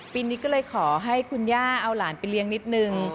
ปีนี้ก็เลยขอให้คุณย่าเอาหลานไปเลี้ยงนิดนึง